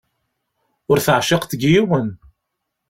Ur teɛciqeḍ deg yiwen.